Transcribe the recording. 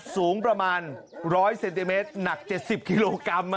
สูงประมาณ๑๐๐เซนติเมตรหนัก๗๐กิโลกรัม